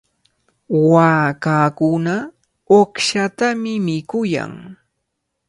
Waakakuna uqshatami mikuyan.